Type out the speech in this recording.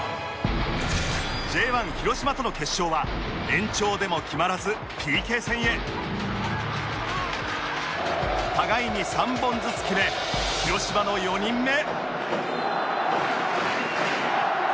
Ｊ１ 広島との決勝は延長でも決まらず互いに３本ずつ決め広島の４人目